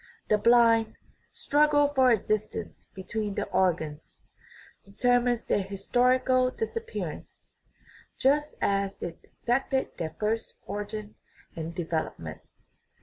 The blind " struggle for existence between the organs" determines their historical dis appearance, just as it effected their first origin and de velopment.